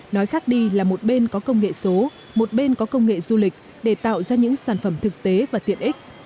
nói khác đi là một bên có công nghệ số một bên có công nghệ du lịch để tạo ra những sản phẩm thực tế và tiện ích